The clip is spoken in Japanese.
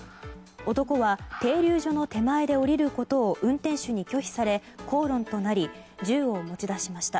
男は停留所の手前で降りることを運転手に拒否され口論となり銃を持ち出しました。